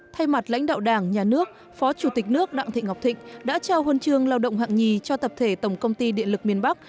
thay mặt lãnh đạo đảng nhà nước phó chủ tịch nước đặng thị ngọc thịnh đã trao huân chương lao động hạng nhì cho tập thể tổng công ty điện lực miền bắc